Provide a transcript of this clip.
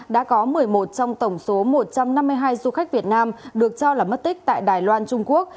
đã có một mươi một trong tổng số một trăm năm mươi hai du khách việt nam được cho là mất tích tại đài loan trung quốc